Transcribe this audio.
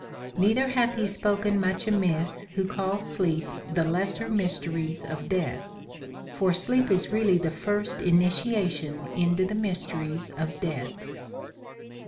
Neither hath he spoken much amiss who calls sleep the lesser mysteries of death ; for sleep is really the first initiation into the mysteries of death.